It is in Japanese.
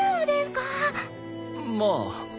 まあ。